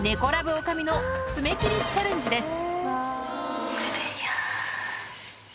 女将の爪切りチャレンジです。